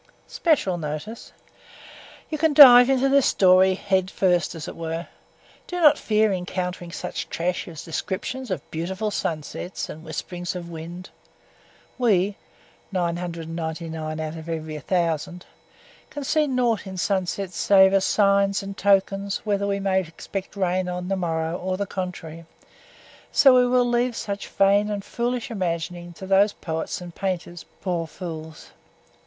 _ SPECIAL NOTICE You can dive into this story head first as it were. Do not fear encountering such trash as descriptions of beautiful sunsets and whisperings of wind. We (999 out of every 1000) can see nought in sunsets save as signs and tokens whether we may expect rain on the morrow or the contrary, so we will leave such vain and foolish imagining to those poets and painters poor fools!